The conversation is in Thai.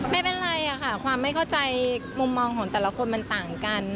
ไม่เป็นไรค่ะความไม่เข้าใจมุมมองของแต่ละคนมันต่างกัน